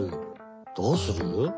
どうする？